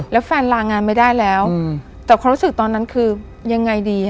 แล้วแฟนลางานไม่ได้แล้วแต่ความรู้สึกตอนนั้นคือยังไงดี